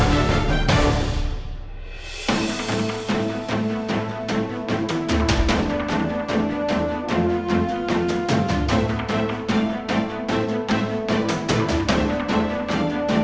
อยากจะรู้กฎหมายอะไรเนาะ